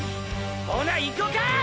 ほないこか！！